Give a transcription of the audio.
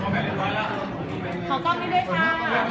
ขอบคุณแม่ก่อนต้องกลางนะครับ